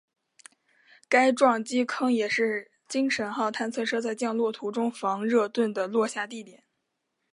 该撞击坑也是精神号探测车在降落途中防热盾的落下地点。